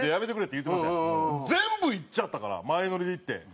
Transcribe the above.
全部行っちゃったから前乗りで行って。